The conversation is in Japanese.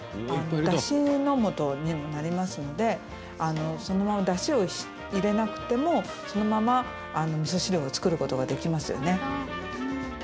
だしのもとにもなりますのでだしを入れなくても、そのままみそ汁を作ることができますよね。